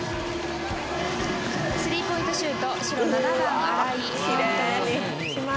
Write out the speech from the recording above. スリーポイントシュート白７番アライ。